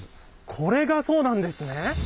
これがそうなんですね。